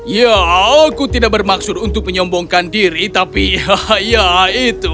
ya aku tidak bermaksud untuk menyombongkan diri tapi ya itu